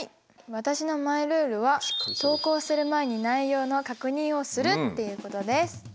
私のマイルールは投稿する前に内容の確認をするっていうことです。